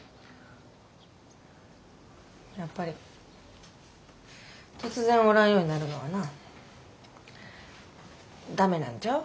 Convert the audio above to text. やっぱり突然おらんようになるのはなダメなんちゃう？